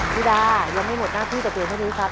พี่ดายังไม่หมดหน้าพี่ตัวเปลี่ยนให้ดูครับ